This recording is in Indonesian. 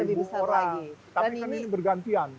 tapi kan ini bergantian